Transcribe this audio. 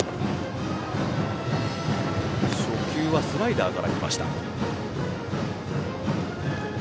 初球はスライダーから来ました。